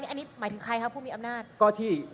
คุณเขตรัฐพยายามจะบอกว่าโอ้เลิกพูดเถอะประชาธิปไตย